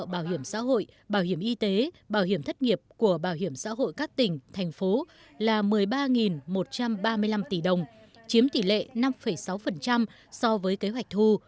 bảo hiểm xã hội bảo hiểm y tế bảo hiểm thất nghiệp của bảo hiểm xã hội các tỉnh thành phố là một mươi ba một trăm ba mươi năm tỷ đồng chiếm tỷ lệ năm sáu so với kế hoạch thu